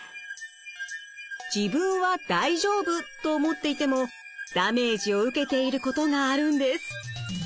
自分は大丈夫と思っていてもダメージを受けていることがあるんです。